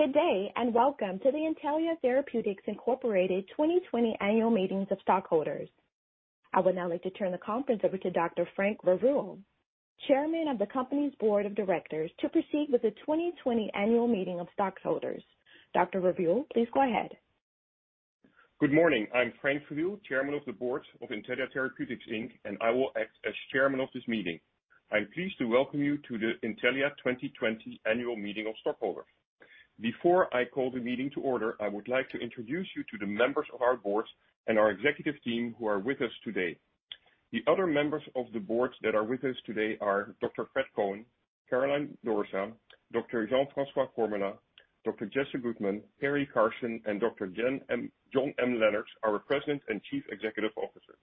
Good day, welcome to the Intellia Therapeutics Incorporated 2020 annual meetings of stockholders. I would now like to turn the conference over to Dr. Frank Verwiel, Chairman of the Company's Board of Directors, to proceed with the 2020 Annual Meeting of Stockholders. Dr. Verwiel, please go ahead. Good morning. I'm Frank Verwiel, Chairman of the Board of Intellia Therapeutics Inc., and I will act as Chairman of this meeting. I'm pleased to welcome you to the Intellia 2020 Annual Meeting of Stockholders. Before I call the meeting to order, I would like to introduce you to the members of our Board and our executive team who are with us today. The other members of the board that are with us today are Dr. Fred Cohen, Caroline Dorsa, Dr. Jean-François Formela, Dr. Jesse Goodman, Perry Karsen, and Dr. John M. Leonard, our President and Chief Executive Officer.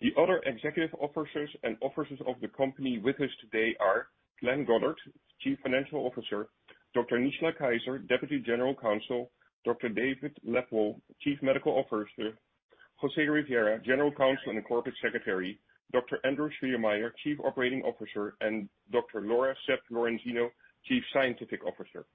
The other executive officers and officers of the company with us today are Glenn Goddard, Chief Financial Officer, Dr. Nishla Keiser, Deputy General Counsel, Dr. David Lebwohl, Chief Medical Officer, José Rivera, General Counsel, and Corporate Secretary, Dr. Andrew Schiermeier, Chief Operating Officer, and Dr. Laura Sepp-Lorenzino, Chief Scientific Officer.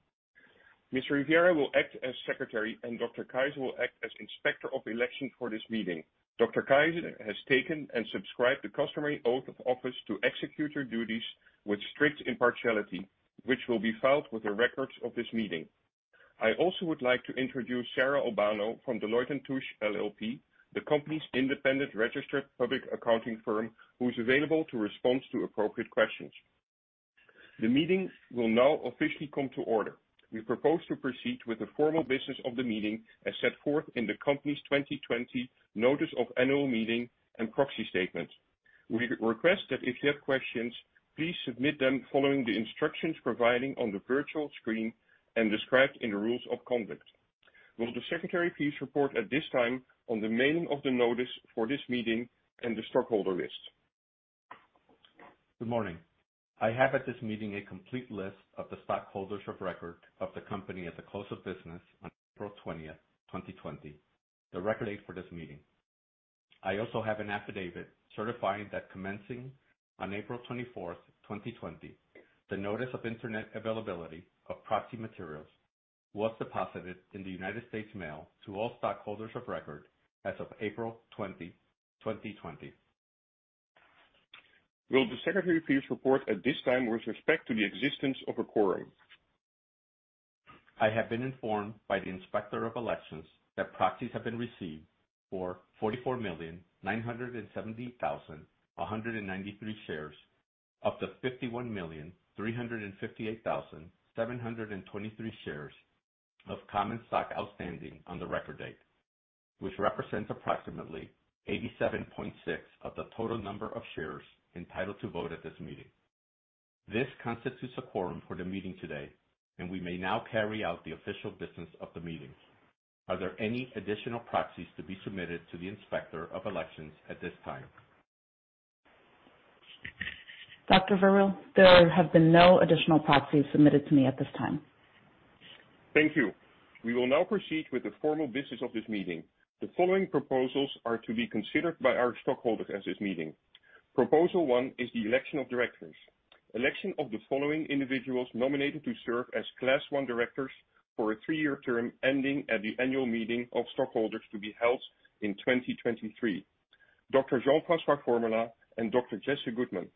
Mr. Rivera will act as secretary, and Dr. Keiser will act as Inspector of Election for this meeting. Dr. Keiser has taken and subscribed the customary oath of office to execute her duties with strict impartiality, which will be filed with the records of this meeting. I also would like to introduce Sarah Albano from Deloitte & Touche LLP, the company's independent registered public accounting firm, who's available to respond to appropriate questions. The meeting will now officially come to order. We propose to proceed with the formal business of the meeting as set forth in the company's 2020 Notice of Annual Meeting and Proxy Statement. We request that if you have questions, please submit them following the instructions provided on the virtual screen and described in the rules of conduct. Will the secretary please report at this time on the mailing of the notice for this meeting and the stockholder list? Good morning. I have at this meeting a complete list of the stockholders of record of the company at the close of business on 20 April 2020, the record date for this meeting. I also have an affidavit certifying that commencing on 24 April 2020, the notice of internet availability of proxy materials was deposited in the United States mail to all stockholders of record as of 20 April 2020. Will the secretary please report at this time with respect to the existence of a quorum? I have been informed by the Inspector of Elections that proxies have been received for 44,970,193 shares of the 51,358,723 shares of common stock outstanding on the record date, which represents approximately 87.6% of the total number of shares entitled to vote at this meeting. This constitutes a quorum for the meeting today, and we may now carry out the official business of the meeting. Are there any additional proxies to be submitted to the Inspector of Elections at this time? Dr. Verwiel, there have been no additional proxies submitted to me at this time. Thank you. We will now proceed with the formal business of this meeting. The following proposals are to be considered by our stockholders at this meeting. Proposal one is the election of directors. Election of the following individuals nominated to serve as Class 1 directors for a three-year term ending at the Annual Meeting of Stockholders to be held in 2023, Dr. Jean-François Formela and Dr. Jesse Goodman.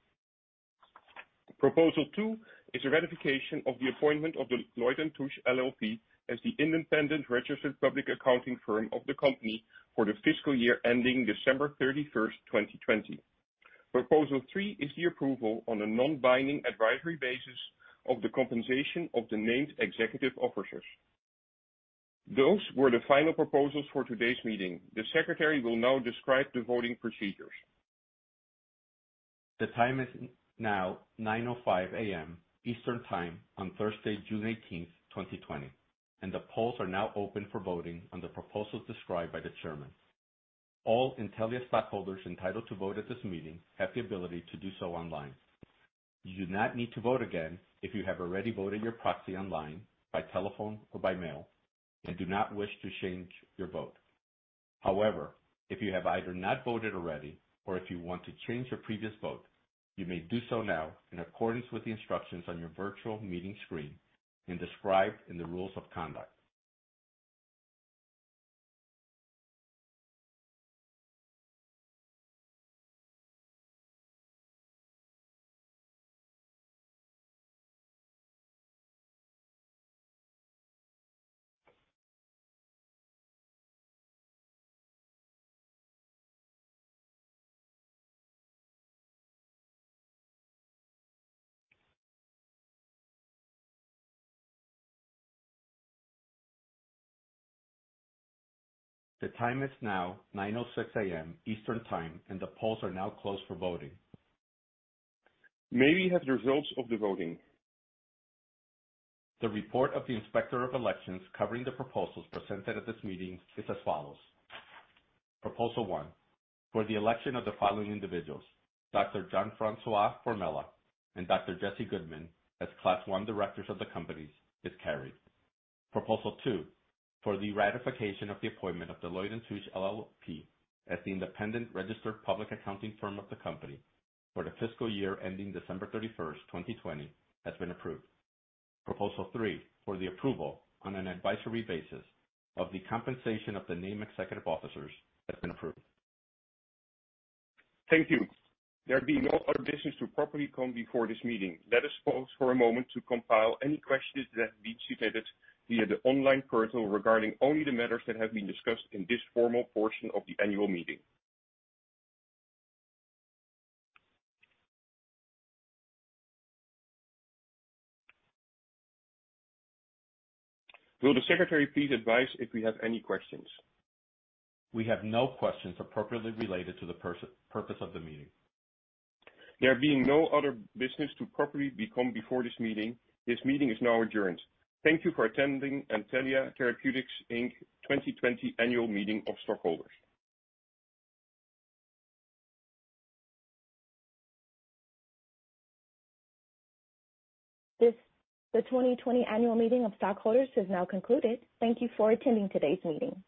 Proposal two is a ratification of the appointment of Deloitte & Touche LLP as the independent registered public accounting firm of the company for the fiscal year ending 31 December 2020. Proposal three is the approval on a non-binding advisory basis of the compensation of the named executive officers. Those were the final proposals for today's meeting the secretary will now describe the voting procedures. The time is now 9:05 A.M. Eastern Time on Thursday, 18 June 2020. The polls are now open for voting on the proposals described by the Chairman. All Intellia stockholders entitled to vote at this meeting have the ability to do so online. You do not need to vote again if you have already voted your proxy online, by telephone, or by mail and do not wish to change your vote. However, if you have either not voted already or if you want to change your previous vote, you may do so now in accordance with the instructions on your virtual meeting screen and described in the rules of conduct. The time is now 9:06 A.M. Eastern Time and the polls are now closed for voting. May we have the results of the voting? The report of the Inspector of Elections covering the proposals presented at this meeting is as follows. Proposal one, for the election of the following individuals, Dr. Jean-François Formela and Dr. Jesse Goodman as Class I directors of the company is carried. Proposal two, for the ratification of the appointment of Deloitte & Touche LLP as the independent registered public accounting firm of the company for the fiscal year ending 31 December 2020, has been approved. Proposal three, for the approval on an advisory basis of the compensation of the named executive officers, has been approved. Thank you. There being no other business to properly come before this meeting, let us pause for a moment to compile any questions that have been submitted via the online portal regarding only the matters that have been discussed in this formal portion of the annual meeting. Will the secretary please advise if we have any questions? We have no questions appropriately related to the purpose of the meeting. There being no other business to properly come before this meeting, this meeting is now adjourned. Thank you for attending Intellia Therapeutics Inc. 2020 Annual Meeting of Stockholders. The 2020 Annual Meeting of Stockholders has now concluded. Thank you for attending today's meeting.